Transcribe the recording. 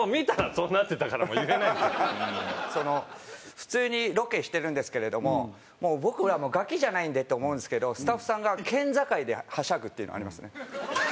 普通にロケしてるんですけれどももう僕らもガキじゃないんでって思うんですけどスタッフさんが県境ではしゃぐっていうのありますね。